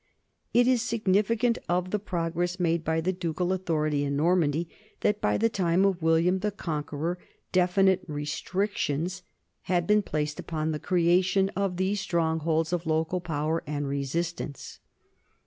It is significant of the progress made by the ducal authority in Normandy that by the time of William the Conqueror definite restrictions had been placed upon the creation of these strongholds of local power and resistance.